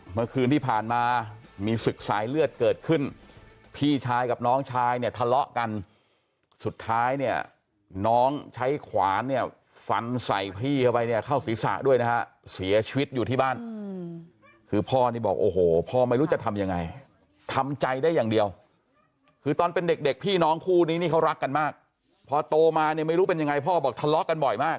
เมื่อคืนที่ผ่านมามีศึกสายเลือดเกิดขึ้นพี่ชายกับน้องชายเนี่ยทะเลาะกันสุดท้ายเนี่ยน้องใช้ขวานเนี่ยฟันใส่พี่เข้าไปเนี่ยเข้าศีรษะด้วยนะฮะเสียชีวิตอยู่ที่บ้านคือพ่อนี่บอกโอ้โหพ่อไม่รู้จะทำยังไงทำใจได้อย่างเดียวคือตอนเป็นเด็กเด็กพี่น้องคู่นี้นี่เขารักกันมากพอโตมาเนี่ยไม่รู้เป็นยังไงพ่อบอกทะเลาะกันบ่อยมาก